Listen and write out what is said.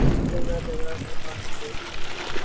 جگہ جگہ میخانے تھے۔